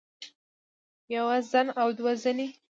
يوه زن او دوه زنې